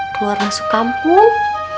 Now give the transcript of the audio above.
keluar masuk kampung